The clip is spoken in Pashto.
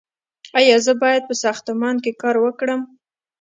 ایا زه باید په ساختمان کې کار وکړم؟